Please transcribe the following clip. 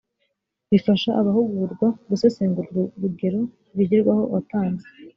bifasha abahugurwa gusesengura urwo rugero rwigirwaho watanze